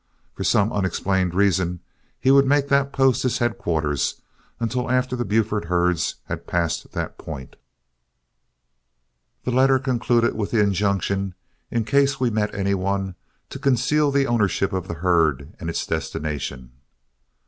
For some unexplained reason he would make that post his headquarters until after the Buford herds had passed that point. The letter concluded with the injunction, in case we met any one, to conceal the ownership of the herd and its destination.